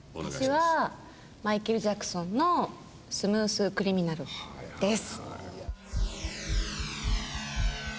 私はマイケル・ジャクソンの『スムーズ・クリミナル』です。